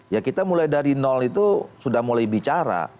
ya kita mulai dari nol itu sudah mulai bicara